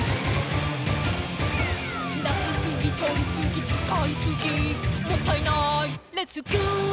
「出しすぎとりすぎ使いすぎもったいないレスキュー」